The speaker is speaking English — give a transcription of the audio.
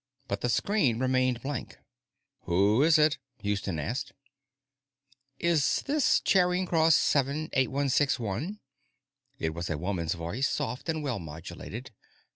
But the screen remained blank. "Who is it?" Houston asked. "Is this CHAring Cross 7 8161?" It was a woman's voice, soft and well modulated.